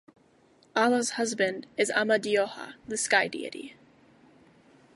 Ala's husband is Amadioha, the sky deity.